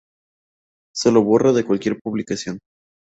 Se lo borra de cualquier publicación.